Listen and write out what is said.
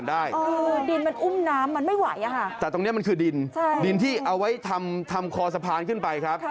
ดินที่เอาไว้ทำคอสะพานขึ้นไปครับ